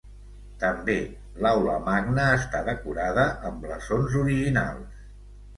També l'Aula Magna està decorada amb blasons originals.